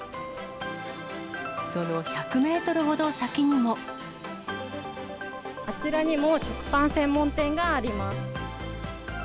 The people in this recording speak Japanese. その１００メートルほど先にあちらにも食パン専門店があります。